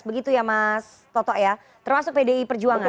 begitu ya mas toto ya termasuk pdi perjuangan